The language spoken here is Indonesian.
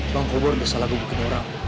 bang kobor udah salah bubukin orang